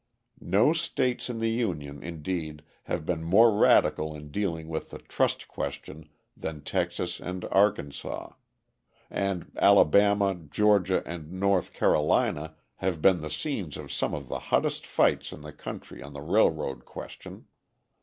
No states in the Union, indeed, have been more radical in dealing with the trust question than Texas and Arkansas; and Alabama, Georgia, and North Carolina have been the scenes of some of the hottest fights in the country on the railroad question.